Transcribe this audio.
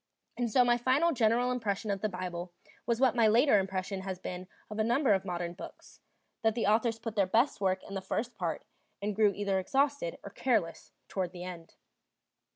And so my first general impression of the Bible was what my later impression has been of a number of modern books, that the authors put their best work in the first part, and grew either exhausted or careless toward the end.